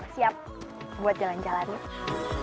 siap buat jalan jalannya